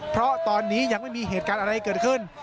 เพราะตอนนี้ยังไม่มีเหตุการณ์อะไรเกิดขึ้น